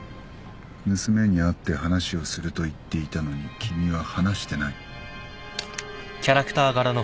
娘に会って話をすると言っていたのに君は話してない。